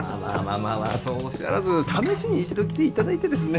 まあそうおっしゃらず試しに一度来ていただいてですね。